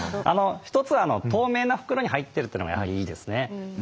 一つは透明な袋に入ってるというのがやはりいいですね。